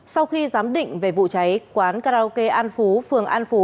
sau khi giám định về vụ cháy quán karaoke an phú phường an phú